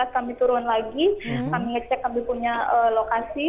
kami turun lagi kami ngecek kami punya lokasi